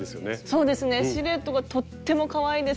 そうですねシルエットがとってもかわいいですね。